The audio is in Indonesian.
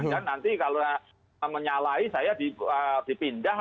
dan nanti kalau menyalahi saya dipindah